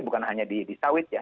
bukan hanya di sawit ya